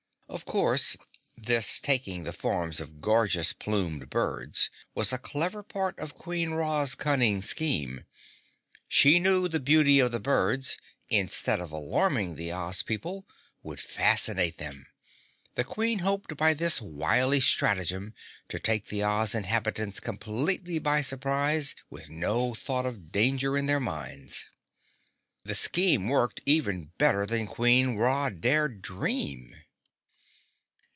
Of course this taking the forms of gorgeous plumed birds was a clever part of Queen Ra's cunning scheme. She knew the beauty of the birds, instead of alarming the Oz people, would fascinate them. The Queen hoped by this wily stratagem to take the Oz inhabitants completely by surprise with no thought of danger in their minds. The scheme worked even better than Queen Ra dared dream.